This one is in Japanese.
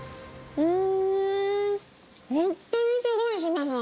うん。